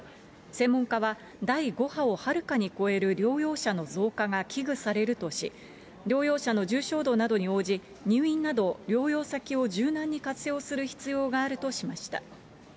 専門家は、第５波をはるかに超える療養者の増加が危惧されるとし、療養者の重症度などに応じ、入院など療養先を柔軟に活用する必要があるとしました。